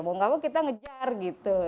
mau gak mau kita ngejar gitu